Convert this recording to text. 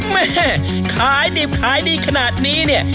แม่ขายดิบขายดีขนาดนี้เนี่ย